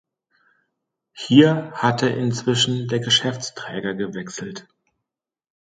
Hier hatte inzwischen der Geschäftsträger gewechselt.